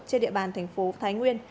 trên địa bàn thành phố thái nguyên